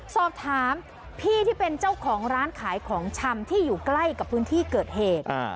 สอบถามพี่ที่เป็นเจ้าของร้านขายของชำที่อยู่ใกล้กับพื้นที่เกิดเหตุ